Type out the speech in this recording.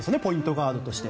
ガードとして。